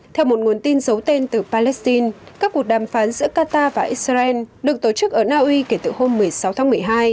theo một nguồn tin giấu tên từ palestine các cuộc đàm phán giữa qatar và israel được tổ chức ở naui kể từ hôm một mươi sáu tháng một mươi hai